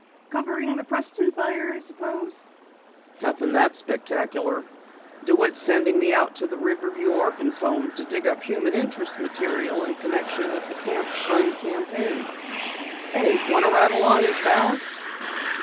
"Covering the Preston fire, I suppose." "Nothing that spectacular. DeWitt's sending me out to the Riverview Orphans' Home to dig up human interest material in connection with the camp fund campaign. Want to ride along as ballast?"